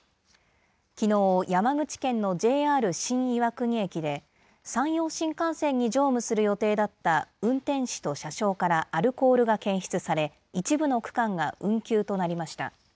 きのう、山口県のＪＲ新岩国駅で、山陽新幹線に乗務する予定だった運転士と車掌からアルコールが検出され、一部の区間が運休となりました。